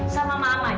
sama mamah jodi